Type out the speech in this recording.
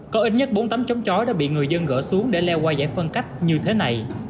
có ít nhất bốn tấm chống chói đã bị người dân gỡ xuống để leo qua giải phân cách như thế này